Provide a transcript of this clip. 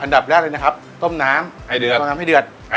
อันดับแรกเลยต้มน้ำให้เหลือด